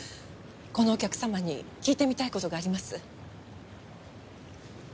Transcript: このお客様に聞いてみたい事があります。